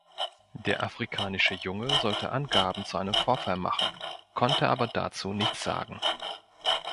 Der afrikanische Junge sollte Angaben zu einem Vorfall machen, konnte aber dazu nichts sagen.